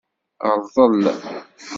Rḍel.